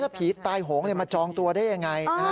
ถ้าผีตายโหงมาจองตัวได้อย่างไร